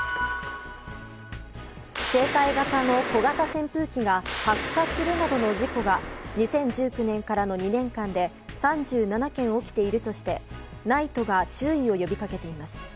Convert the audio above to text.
携帯型の小型扇風機が発火するなどの事故が２０１９年からの２年間で３７件起きているとしてＮＩＴＥが注意を呼びかけています。